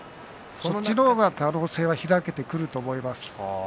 そちらの方が可能性が開けてくると思います。